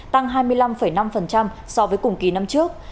tăng hai mươi năm năm so với cùng kỳ năm trước